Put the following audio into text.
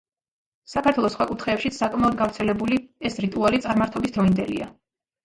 საქართველოს სხვა კუთხეებშიც საკმაოდ გავრცელებული ეს რიტუალი წარმართობის დროინდელია.